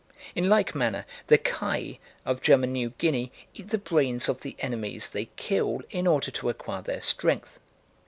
In like manner the Kai of German New Guinea eat the brains of the enemies they kill in order to acquire their strength.